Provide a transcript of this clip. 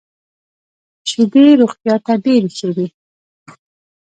شیدې روغتیا ته ډېري ښه دي .